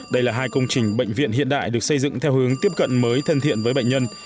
đây là hai công trình bệnh viện hiện đại được xây dựng theo hướng tiếp cận mới thân thiện với bệnh nhân